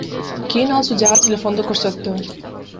Кийин ал судьяга телефонду көрсөттү.